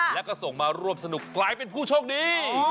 แล้วก็ส่งมาร่วมสนุกกลายเป็นผู้โชคดี